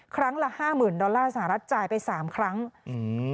ครั้งละห้าหมื่นดอลลาร์สหรัฐจ่ายไปสามครั้งอืม